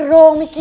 mikir dong mikir